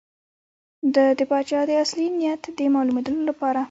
ده د پاچا د اصلي نیت د معلومولو لپاره.